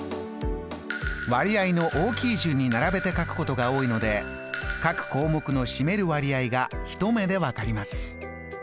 割合の大きい順に並べて書くことが多いので各項目の占める割合が一目で分かります。